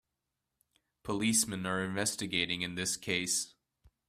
Policemen are investigating in this case.